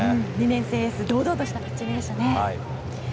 ２年生エース堂々としたピッチングでしたね。